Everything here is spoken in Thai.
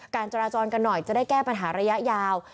การจราจรกันหน่อยจะได้แก้ปัญหาระยะยาว